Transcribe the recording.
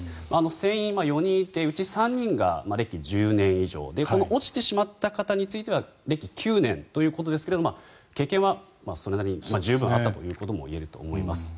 船員４人いてうち３人が歴１０年以上落ちてしまった方については歴９年ということですが経験はそれなりに十分あったということもいえると思います。